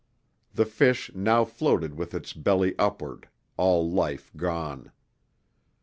The fish now floated with its belly upward, all life gone.